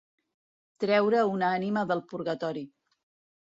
Treure una ànima del purgatori.